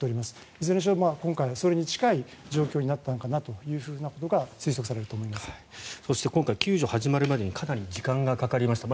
いずれにしろ今回それに近い状況になったのかなということがそして今回救助が始まるまでにかなり時間がかかりました。